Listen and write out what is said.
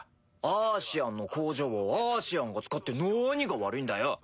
アーシアンの工場をアーシアンが使ってなにが悪いんだよ。